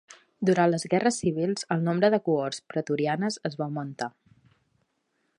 Durant les guerres civils el nombre de cohorts pretorianes es va augmentar.